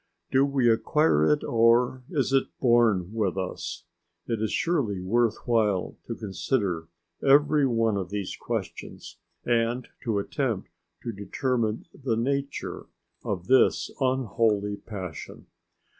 Do we acquire it or is it born with us? It is surely worth while to consider every one of these questions and to attempt to determine the nature of this unholy passion.